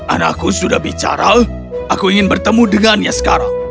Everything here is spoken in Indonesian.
anakku sudah bicara aku ingin bertemu dengannya sekarang